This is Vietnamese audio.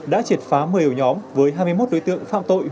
đã triệt phá một mươi ổ nhóm với hai mươi một đối tượng phạm tội